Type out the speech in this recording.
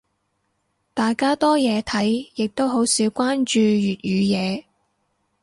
大家多嘢睇，亦都好少關注粵語嘢。